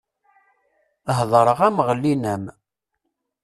Heddeṛeɣ-am ɣellin-am!